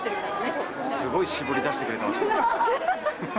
すごい絞り出してくれましたね。